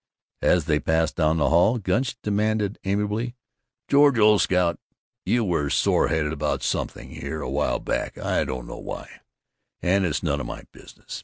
As they passed down the hall Gunch demanded amiably, "George, old scout, you were soreheaded about something, here a while back. I don't know why, and it's none of my business.